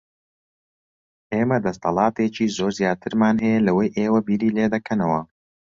ئێمە دەسەڵاتێکی زۆر زیاترمان هەیە لەوەی ئێوە بیری لێ دەکەنەوە.